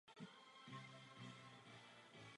První z nich je reforma a posílení soudnictví.